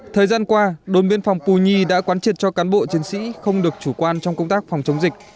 thời gian qua đồn biên phòng pù nhi đã quán triệt cho cán bộ chiến sĩ không được chủ quan trong công tác phòng chống dịch